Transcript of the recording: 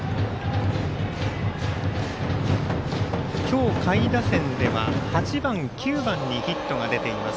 今日下位打線では８番９番にヒットが出ています。